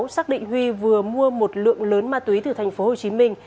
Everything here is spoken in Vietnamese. xác định huy vừa mua một lượng lớn ma túy từ thành phố hồ chí minh